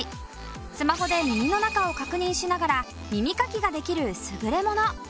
スマホで耳の中を確認しながら耳かきができる優れもの。